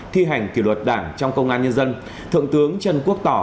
thi hành kỷ luật đảng trong công an nhân dân thượng tướng trần quốc tỏ